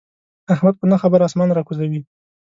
احمد په نه خبره اسمان را کوزوي.